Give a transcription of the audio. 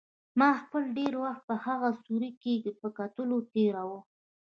ما خپل ډېر وخت په هغه سوري کې په کتلو تېراوه.